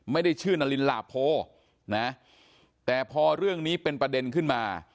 ไม่ได้ชื่อนารินหลาโพนะแต่พอเรื่องนี้เป็นประเด็นขึ้นมา